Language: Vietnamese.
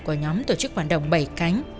của nhóm tổ chức hoạt động bảy cánh